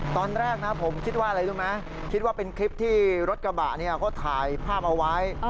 ตอนแรกนะผมคิดว่าอะไรรู้ไหมคิดว่าเป็นคลิปที่รถกระบะเขาถ่ายภาพเอาไว้